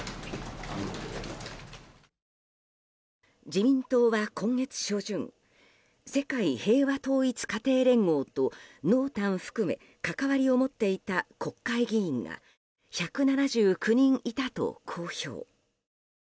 自民党は今月初旬世界平和統一家庭連合と濃淡含め関わりを持っていた国会議員が１７９人いたと公表。